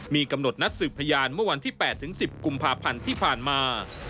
มีกำหนดนัดสืบพยานเมื่อวันที่๘๑๐กุมภาพันธ์ที่ผ่านมา